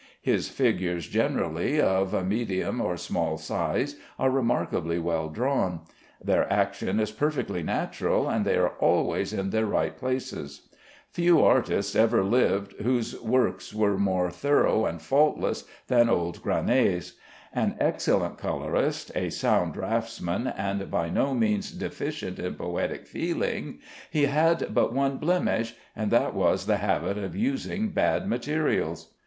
His figures, generally of medium or small size, are remarkably well drawn. Their action is perfectly natural, and they are always in their right places. Few artists ever lived whose work was more thorough and faultless than old Granet's. An excellent colorist, a sound draughtsman, and by no means deficient in poetic feeling, he had but one blemish, and that was the habit of using bad materials.